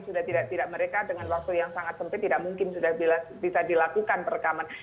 sudah tidak mereka dengan waktu yang sangat sempit tidak mungkin sudah bisa dilakukan perekaman